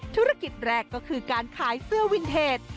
ธุรกิจแรกก็คือการขายเสื้อวินเทจ